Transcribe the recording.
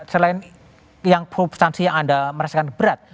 selain yang substansi yang anda merasakan berat